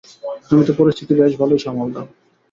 তুমি তো পরিস্থিতি বেশ ভালোই সামাল দাও।